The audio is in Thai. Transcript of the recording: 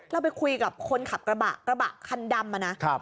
เราไปคุยกับคนขับกระบะกระบะคันดำมานะ